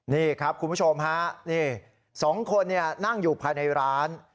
นี่ครับคุณผู้ชมฮะนี่๒คนนั่งอยู่ภายในร้าน